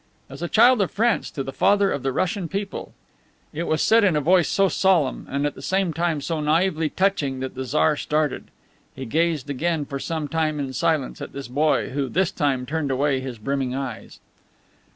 "As a child of France to the Father of the Russian people." It was said in a voice so solemn and, at the same time, so naively touching, that the Tsar started. He gazed again for some time in silence at this boy who, this time, turned away his brimming eyes.